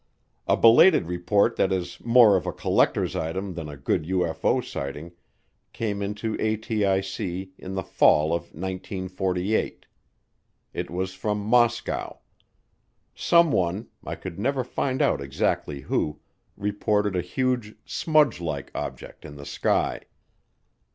A belated report that is more of a collectors' item than a good UFO sighting came into ATIC in the fall of 1948. It was from Moscow. Someone, I could never find out exactly who, reported a huge "smudge like" object in the sky.